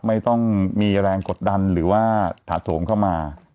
มีแรงกดดันหรือว่าถาดโถงเข้ามา